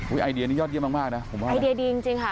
ไอเดียนี้ยอดเยี่ยมมากนะผมว่าไอเดียดีจริงค่ะ